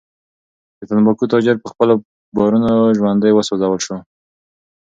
د تنباکو تاجر په خپلو بارونو کې ژوندی وسوځول شو.